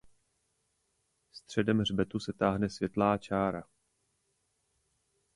Středem hřbetu se táhne světlá čára.